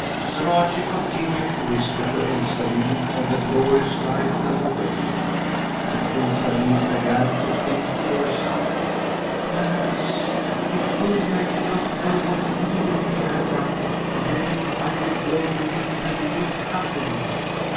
Sir Archie continued to whisper to Elsalill of the glorious life that awaited her, and Elsalill began to think to herself: "Alas, if only I did not know what evil he had done! Then I would go with him and live happily."